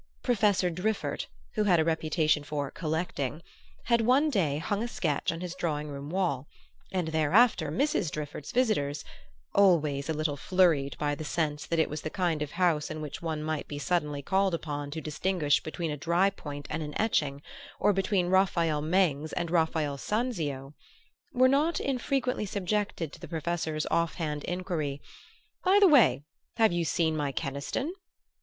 Professor Driffert, who had a reputation for "collecting," had one day hung a sketch on his drawing room wall, and thereafter Mrs. Driffert's visitors (always a little flurried by the sense that it was the kind of house in which one might be suddenly called upon to distinguish between a dry point and an etching, or between Raphael Mengs and Raphael Sanzio) were not infrequently subjected to the Professor's off hand inquiry, "By the way, have you seen my Keniston?"